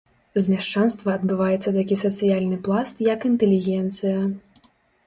З мяшчанства адбываецца такі сацыяльны пласт як інтэлігенцыя.